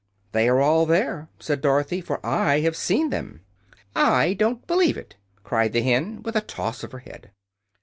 "They are all there," said Dorothy, "for I have seen them." "I don't believe it!" cried the hen, with a toss of her head.